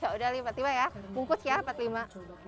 ya udah lima puluh lima ya bungkus ya empat puluh lima